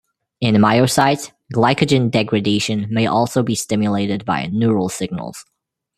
In myocytes, glycogen degradation may also be stimulated by neural signals.